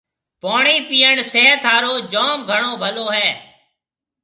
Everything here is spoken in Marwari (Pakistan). پوڻِي پيڻ صحت هارون جوم گھڻو ڀلو هيَ۔